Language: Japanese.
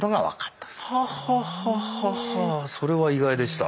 はあはあそれは意外でした。